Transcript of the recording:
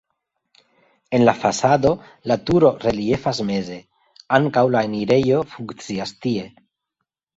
En la fasado la turo reliefas meze, ankaŭ la enirejo funkcias tie.